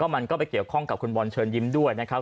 มันก็ไปเกี่ยวข้องกับคุณบอลเชิญยิ้มด้วยนะครับ